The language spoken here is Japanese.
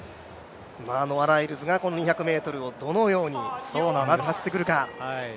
ノア・ライルズがこの２００ｍをどのように走ってくるか。